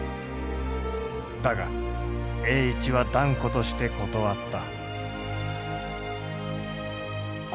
だが栄一は断固として断った。